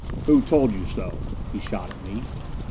"Who told you so?" he shot at me.